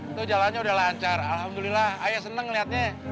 itu jalannya udah lancar alhamdulillah ayo seneng liatnya